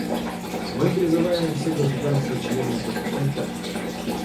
Мы призываем все государства-члены поступить так же.